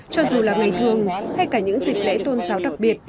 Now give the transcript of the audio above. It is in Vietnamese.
cho dù là ngày thường hay cả những dịp lễ tôn giáo đặc biệt